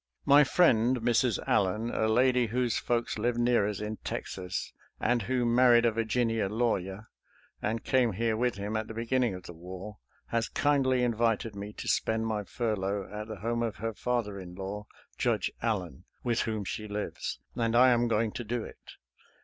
My friend Mrs. Allen, a lady whose folks live near us in Texas, and who married a Virginia lawyer and came here with him at the beginning of the war, has kindly invited me to spend my furlough at the home of her father in law. Judge Allen, with whom she lives, and I am going to do it.